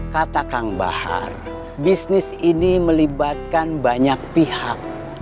kata kang bahar bisnis ini melibatkan banyak pihak